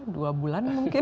dua bulan mungkin